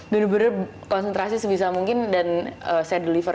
bener bener konsentrasi sebisa mungkin dan saya deliver